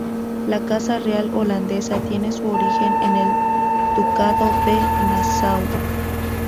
La Casa real holandesa tiene su origen en el Ducado de Nassau.